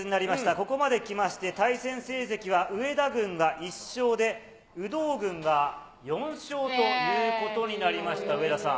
ここまできまして、対戦成績は上田軍が１勝で、有働軍は４勝ということになりました、上田さん。